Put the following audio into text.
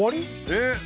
えっ？